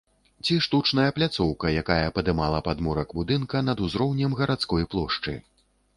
Ці штучная пляцоўка, якая падымала падмурак будынка над узроўнем гарадской плошчы.